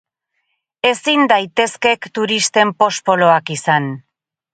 Ezin daitezkek turisten pospoloak izan.